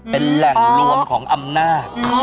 เป็นแหล่งรวมของอำนาจ